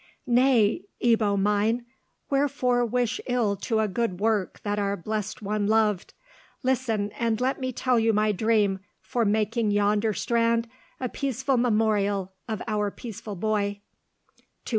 "Nay, Ebbo mine, wherefore wish ill to a good work that our blessed one loved? Listen, and let me tell you my dream for making yonder strand a peaceful memorial of our peaceful boy."